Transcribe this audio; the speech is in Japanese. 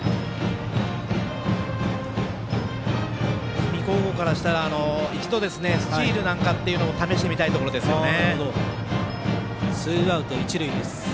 氷見高校からしたら１度スチールなんかも試してみたいところですよね。